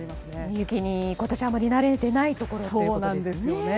雪に今年あまり慣れてないところですね。